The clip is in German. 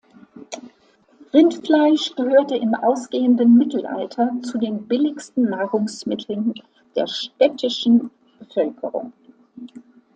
Rindfleisch gehörte im ausgehenden Mittelalter zu den billigsten Nahrungsmitteln der städtischen Bevölkerung.